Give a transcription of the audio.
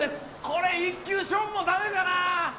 これ、１球勝負も駄目かな。